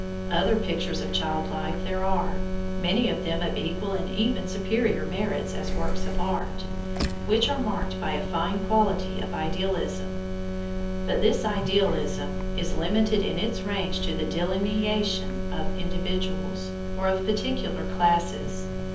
Other pictures of child life there are, many of them of equal and even of superior merit as works of art, which are marked by a fine quality of idealism; but this idealism is limited in its range to the delineation of individuals, or of particular classes.